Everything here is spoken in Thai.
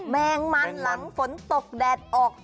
แมงมันหลังฝนตกแดดออก